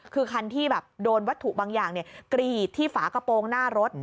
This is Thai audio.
คือคันที่แบบโดนวัตถุบางอย่างกรีดที่ฝากระโปรงหน้ารถ